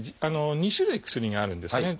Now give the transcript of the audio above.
２種類薬があるんですね。